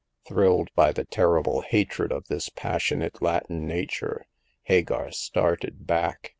" Thrilled by the terrible hatred of this pas sionate Latin nature, Hagar started back.